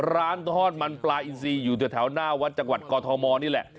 ร้านทอดมันปลาอินซีอยู่แถวหน้าวัดจังหวัดกอทมนี่แหละ